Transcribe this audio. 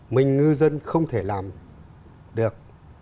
mình ngư dân không thể làm được